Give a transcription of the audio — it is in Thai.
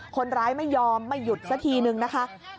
คนร้ายไม่ยอมไม่หยุดสักทีนึงนะคะ